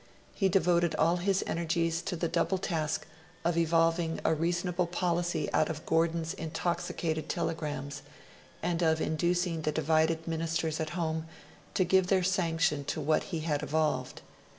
He devoted all his energies to the double task of evolving a reasonable policy out of Gordon's intoxicated telegrams, and of inducing the divided Ministers at home to give their sanction to what he had evolved.